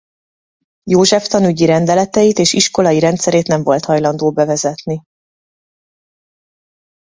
József tanügyi rendeleteit és iskolai rendszerét nem volt hajlandó bevezetni.